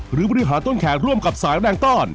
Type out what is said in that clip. หรือบริหารต้นแขนร่วมกับสายแรงต้อน